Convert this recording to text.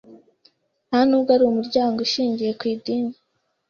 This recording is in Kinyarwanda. nta n’ubwo ari umuryango ushingiye ku idini